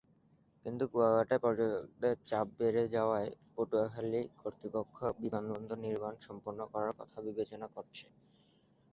কিন্তু কুয়াকাটায় পর্যটকদের চাপ বেড়ে যাওয়ায় পটুয়াখালী কর্তৃপক্ষ বিমানবন্দর নির্মাণ সম্পন্ন করার কথা বিবেচনা করছে।